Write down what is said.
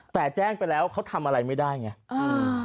แต่แจ้งไปแล้วเขาทำอะไรไม่ได้ไง